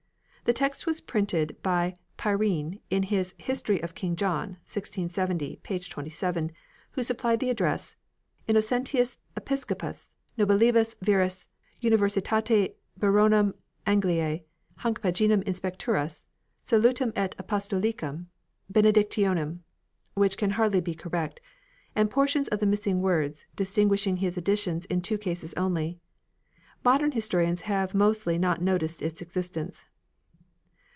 The text was printed by Prynne in his " History of King John" (1670), p. 27, who supplied the address "Innocentius Episcopus nobilibus viris universitati Baronum Angliae hanc paginam inspecturis, salutem et Apostolicam benedictionem," (which can hardly be cor rect), and portions of the missing words, distinguishing his additions in two cases only. Modern historians have mostly not noticed its existence.